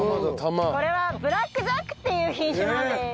これはブラックジャックっていう品種なんです。